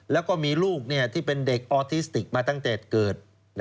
แล้วก็มีลูกที่เป็นเด็กออทิสติกมาตั้งแต่เกิด